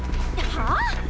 はあ？